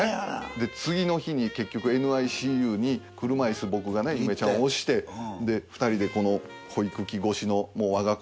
で次の日に結局ＮＩＣＵに車椅子僕が夢ちゃんを押してで２人でこの保育器越しのもう我が子。